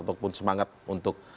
ataupun semangat untuk